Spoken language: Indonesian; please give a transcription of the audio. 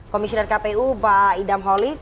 komisioner kpu pak idam holik